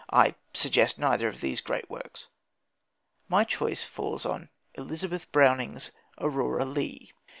I suggest neither of these great works. My choice falls on Elizabeth Browning's Aurora Leigh.